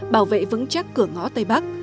bảo vệ vững chắc cửa ngõ tây bắc